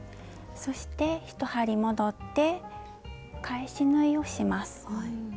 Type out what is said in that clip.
そして１針戻って返し縫いをします。